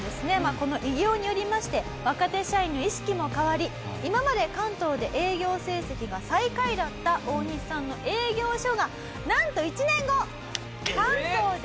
この偉業によりまして若手社員の意識も変わり今まで関東で営業成績が最下位だったオオニシさんの営業所がなんと。